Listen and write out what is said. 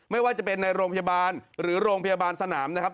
ไม่ว่าจะเป็นในโรงพยาบาลหรือโรงพยาบาลสนามนะครับ